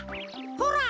ほら！